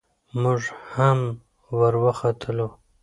موږ هم ور وختلو.